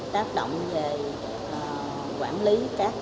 tác động về quản lý